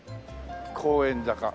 公園坂。